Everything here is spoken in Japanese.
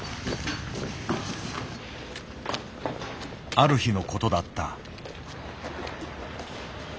ある日のことだった。